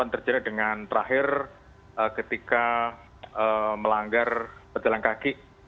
terjadi dengan terakhir ketika melanggar pejalan kaki